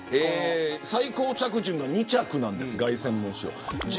最高着順が２着なんです凱旋門賞。